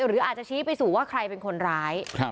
หรืออาจจะชี้ไปสู่ว่าใครเป็นคนร้าย